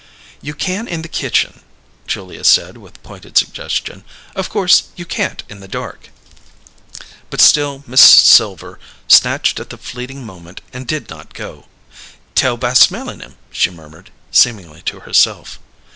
"You can in the kitchen," Julia said, with pointed suggestion. "Of course you can't in the dark." But still Mrs. Silver snatched at the fleeting moment and did not go. "Tell by smellin' 'em," she murmured, seemingly to herself.